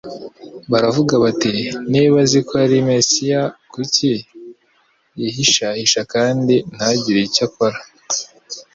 Baravugaga bati: niba azi ko ari Mesiya kuki yihishahisha kandi ntagire icyo akora ?